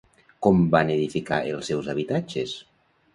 Com van edificar els seus habitatges?